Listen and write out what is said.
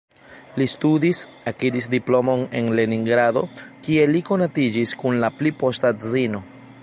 Li studis, akiris diplomon en Leningrado, kie li konatiĝis kun la pli posta edzino.